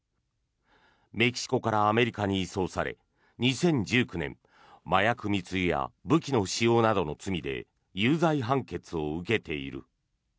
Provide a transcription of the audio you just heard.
メキシコからアメリカに移送され２０１９年麻薬密輸や武器の使用などの罪で有罪判決を受けている。